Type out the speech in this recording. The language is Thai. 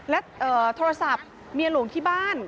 และโทรศัพท์เมียหลวงที่บ้าน